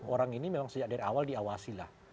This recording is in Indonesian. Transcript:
orang ini memang sejak dari awal diawasilah